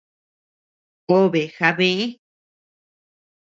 Obe jabë.